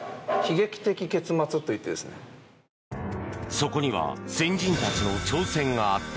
そこには先人たちの挑戦があった。